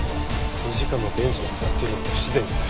２時間もベンチに座ってるなんて不自然です。